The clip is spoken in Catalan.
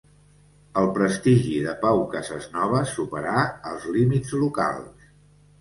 El prestigi de Pau Casesnoves superà els límits locals.